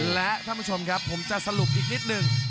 และท่านผู้ชมครับผมจะสรุปอีกนิดหนึ่ง